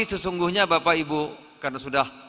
sesungguhnya bapak ibu karena sudah